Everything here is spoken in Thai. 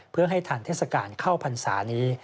เพื่อให้ทันเทศกาลเข้าพรรษานี้